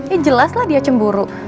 ya jelas lah dia cemburu